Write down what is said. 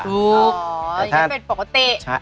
อ๋อยังเป็นปกติ